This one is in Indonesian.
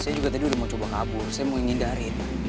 saya juga tadi udah mau coba kabur saya mau nyindarin